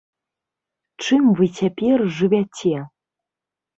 Чым вы цяпер жывяце?